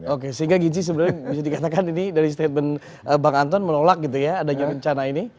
oke sehingga gizi sebenarnya bisa dikatakan ini dari statement bang anton menolak gitu ya adanya rencana ini